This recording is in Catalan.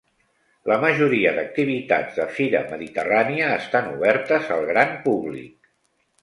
La majoria d'activitats de Fira Mediterrània estan obertes al gran públic.